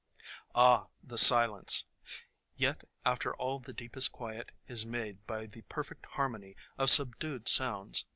Ah! the silence! Yet after all the deepest quiet is made by the perfect harmony of subdued sounds.